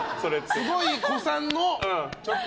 すごい古参の。